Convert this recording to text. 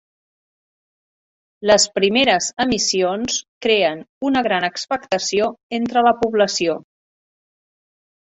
Les primeres emissions creen una gran expectació entre la població.